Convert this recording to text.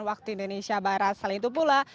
waktu indonesia barat selain itu pula